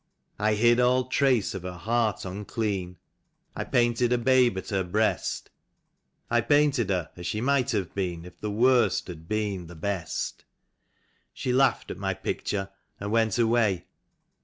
I hid all trace of her heart unclean; I painted a babe at her breast; I painted her as she might have been. If the Worst had been the Best. She laughed at my picture, and went away.